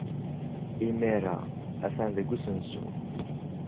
Imir-a, atan deg usensu.